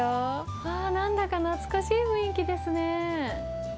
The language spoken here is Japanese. うわー、なんだか懐かしい雰囲気ですね。